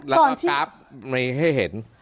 แล้วก็กราฟให้เห็น